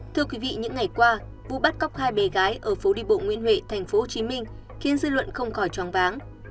thưa quý vị những ngày qua vụ bắt cóc hai bé gái ở phố đi bộ nguyên huệ tp hcm khiến dư luận không khỏi chóng váng